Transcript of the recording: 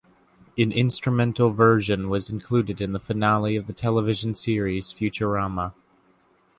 An instrumental version was included in the finale of the television series Futurama.